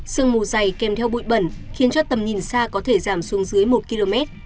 sương mù dày kèm theo bụi bẩn khiến cho tầm nhìn xa có thể giảm xuống dưới một km